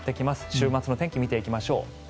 週末の天気を見ていきましょう。